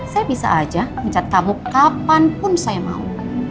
saya bisa aja mencatat kamu kapanpun saya mau